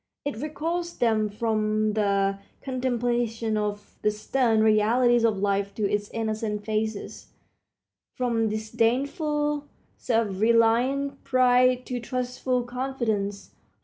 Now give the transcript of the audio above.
It recalls them from the contemplation of the stern realities of life to its innocent phases, from disdainful, self reliant pride to trustful confidence.